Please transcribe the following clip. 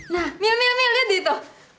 nah mil mil mil lihat di situ